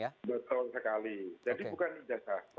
betul sekali jadi bukan ijazah